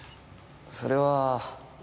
それは。